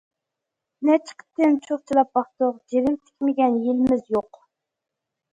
نەچچە قېتىم چۇخچىلاپ باقتۇق، جىرىم تىكمىگەن يىلىمىز يوق.